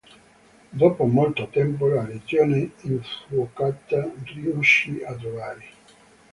Dopo molto tempo, la Legione Infuocata riuscì a trovarli.